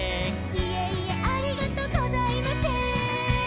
「いえいえありがとうございませーん」